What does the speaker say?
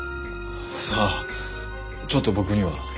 さあちょっと僕には。